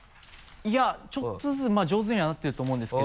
いやちょっとずつまぁ上手にはなってると思うんですけど。